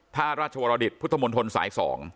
ท่าราชวรดิตพุทธมนตรสาย๒